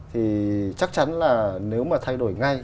thì chắc chắn là nếu mà thay đổi ngay